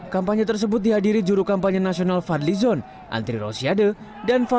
kampanye tersebut dihadiri juru kampanye nasional fadlizon antri rosiade dan faldi